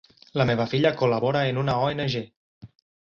La meva filla col·labora en una ONG.